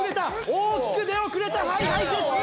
大きく出遅れたＨｉＨｉＪｅｔｓ！